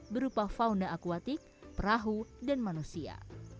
berupa fauna akuatik perahu dan manusia